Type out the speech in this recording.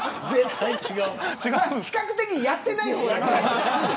比較的、やってない方だから。